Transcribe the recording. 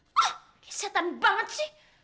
gak kesehatan banget sih